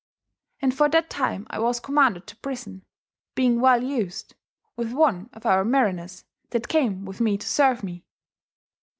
And for that time I was commanded to prison, being well vsed, with one of our mariners that cam with me to serue me."